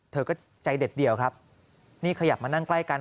เธอก็ใจเด็ดเดียวครับนี่ขยับมานั่งใกล้กัน